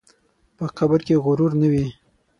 په قبر کې غرور نه وي.